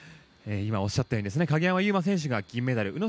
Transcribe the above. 今おっしゃったように鍵山優真選手が銀メダル。